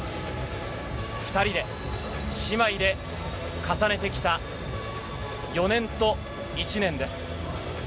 ２人で、姉妹で重ねてきた４年と１年です。